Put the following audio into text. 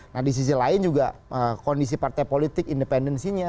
nah di sisi lain juga kondisi partai politik independensinya